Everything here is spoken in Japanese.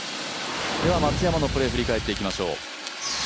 松山のプレー、振り返っていきましょう。